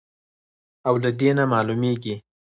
او له دې نه معلومېږي،